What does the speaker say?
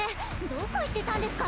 どこ行ってたんですか？